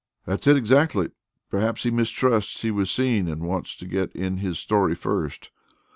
"That's it exactly. Perhaps he mistrusts he was seen and wants to get in his story first.